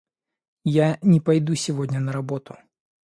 Я не пойду сегодня на работу.